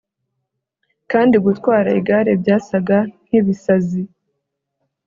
kandi gutwara igare byasaga nkibisazi